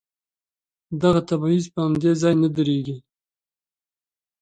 دغه تبعيض په همدې ځای نه درېږي.